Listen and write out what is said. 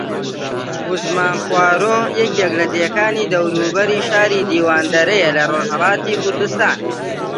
وزمان خوارۆ یەکێک لە دێکانی دەوروبەری شاری دیواندەرەیە لە ڕۆژھەڵاتی کوردستان